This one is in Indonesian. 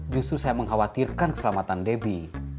justru saya mengkhawatirkan keselamatan debbie